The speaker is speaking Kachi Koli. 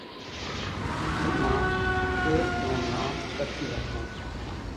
اين مان ايڪ نون نام ڪڪِي ھتون